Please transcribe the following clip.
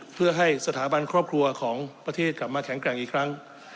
เพื่อให้สถาบันครอบครัวของประเทศกลับมาแข็งแกร่งอีกครั้ง